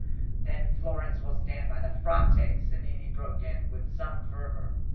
"Then Florence will stand by the Frate," Cennini broke in, with some fervour.